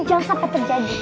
jangan sampai terjadi